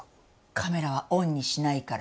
カメラはオンにしないから。